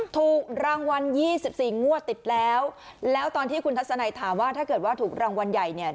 ถูกรางวัลยี่สิบสี่งวดติดแล้วแล้วตอนที่คุณทัศนัยถามว่าถ้าเกิดว่าถูกรางวัลใหญ่เนี่ย